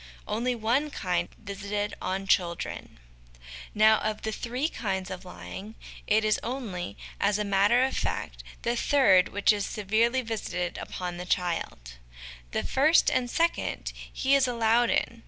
Only One Kind visited on Children. Now, of the three kinds of lying, it is only, as a matter of fact, the third which is severely visited upon the child ; the first and the second he is allowed in.